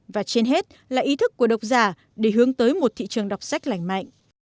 và trên hết là ý thức của độc giả để hướng tới một thị trường đọc sách lành mạnh